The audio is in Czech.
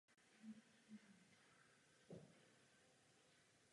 Hlavním a také největším městem regionu je Celje.